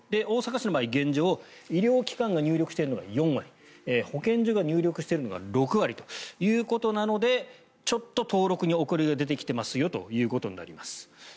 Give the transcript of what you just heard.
大阪市の場合、現状医療機関が入力しているのが４割保健所が入力しているのが６割ということなのでちょっと登録に遅れが出てきていますよということになります。